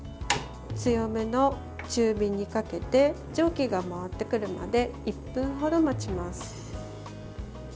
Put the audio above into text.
強めの中火にかけて蒸気が回ってくるまで１分ほど待ちます。